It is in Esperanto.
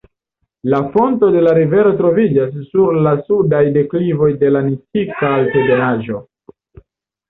La fonto de la rivero troviĝas sur la sudaj deklivoj de la Nikita altebenaĵo.